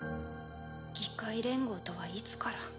議会連合とはいつから？